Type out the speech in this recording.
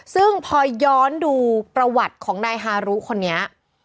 ซึ่งพอย้อนดูประวัติของนายฮารุคนนี้